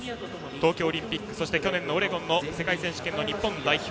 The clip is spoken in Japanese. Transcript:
東京オリンピックそして去年のオレゴン世界選手権日本代表。